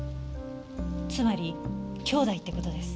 つまり兄弟って事です。